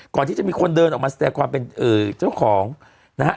ก่อนที่จะมีคนเดินออกมาแสดงความเป็นเจ้าของนะฮะ